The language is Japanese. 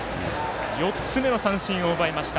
４つ目の三振を奪いました。